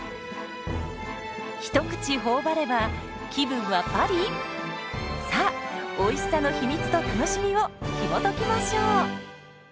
一口頬張れば気分はパリ⁉さあおいしさの秘密と楽しみをひもときましょう。